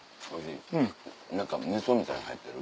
何か味噌みたいの入ってる？